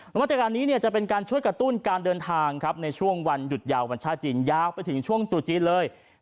มาตรการนี้จะเป็นการช่วยกระตุ้นการเดินทางครับในช่วงวันหยุดยาววันชาติจีนยาวไปถึงช่วงตรุษจีนเลย